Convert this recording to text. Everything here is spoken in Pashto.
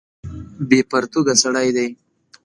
بې پرتوګه سړی دی.